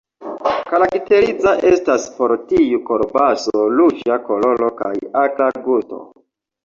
Karakteriza estas por tiu kolbaso ruĝa koloro kaj akra gusto.